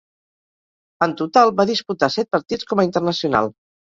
En total, va disputar set partits com a internacional.